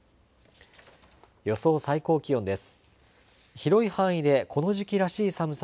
予想最高気温です。